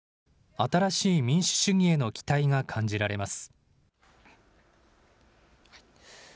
新しい民主主義への期待が感じられます。